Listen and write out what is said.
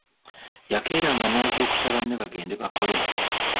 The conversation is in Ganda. Yakeeranga n'azuukusa banne bagende bakole.